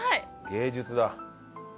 芸術だ。